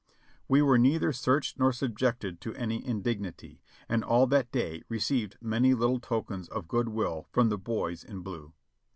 We were neither searched nor subjected to any indignity; and all that day received many little tokens of good will from the boys in blue.